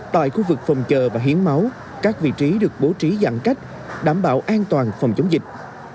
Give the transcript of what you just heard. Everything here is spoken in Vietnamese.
tại khu vực phòng chờ và hiến máu các vị trí được bố trí giãn cách đảm bảo an toàn phòng chống dịch